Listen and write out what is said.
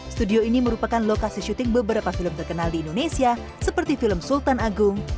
studio ini merupakan lokasi syuting beberapa film terkenal di indonesia seperti film sultan agung